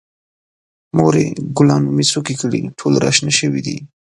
مورې، ګلانو مې څوکې کړي، ټول را شنه شوي دي.